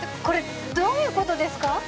これどういうことですか？